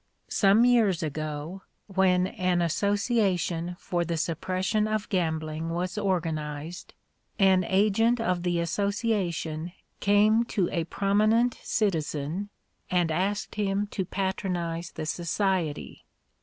Some years ago, when an association for the suppression of gambling was organized, an agent of the association came to a prominent citizen and asked him to patronize the society.